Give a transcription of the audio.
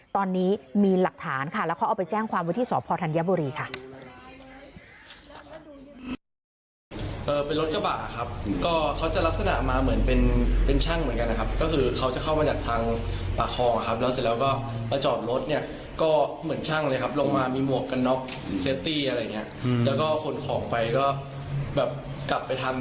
ตอนนี้มีหลักฐานค่ะแล้วเขาเอาไปแจ้งความวิธีสพธัญบุรีค่ะ